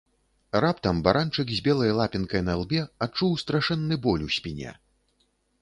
Раптам баранчык з белай лапінкай на лбе адчуў страшэнны боль у спіне.